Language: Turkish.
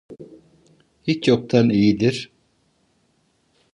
Hiç yoktan iyidir.